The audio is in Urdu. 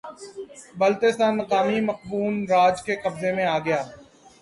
بلتستان مقامی مقپون راج کے قبضے میں آگیا